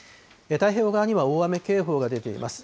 太平洋側には大雨警報が出ています。